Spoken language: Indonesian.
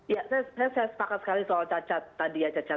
ya saya sepakat sekali soal cacat tadi ya cacat